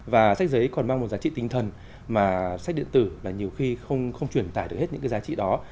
và sách giấy còn mang một giá trị tinh thần mà sách điện tử là nhiều khi không truyền tải được hết những cái giá trị đó